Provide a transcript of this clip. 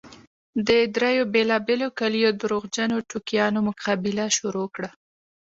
د دريو بېلابېلو کليو درواغجنو ټوکیانو مقابله شروع کړه.